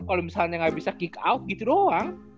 kalau misalnya nggak bisa kick out gitu doang